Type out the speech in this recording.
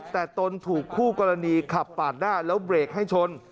แต่ตนถูกคู่กรณีขับปาดหน้าแล้วเบรกให้ชน